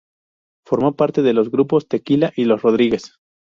Formó parte de los grupos Tequila y Los Rodríguez.